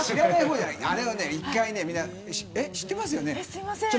あれは１回ね知ってますよね。